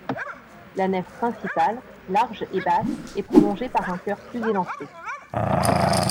La nef principale, large et basse est prolongée par un chœur plus élancé.